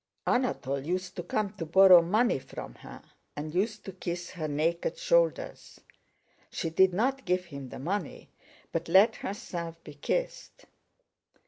"Anatole used to come to borrow money from her and used to kiss her naked shoulders. She did not give him the money, but let herself be kissed.